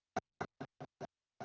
jadi tidak semua